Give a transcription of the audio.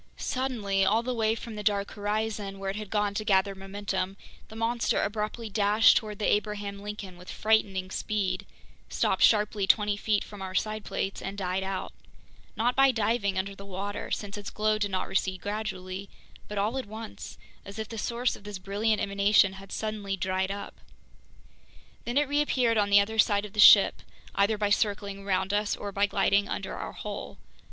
Suddenly, all the way from the dark horizon where it had gone to gather momentum, the monster abruptly dashed toward the Abraham Lincoln with frightening speed, stopped sharply twenty feet from our side plates, and died out—not by diving under the water, since its glow did not recede gradually—but all at once, as if the source of this brilliant emanation had suddenly dried up. Then it reappeared on the other side of the ship, either by circling around us or by gliding under our hull.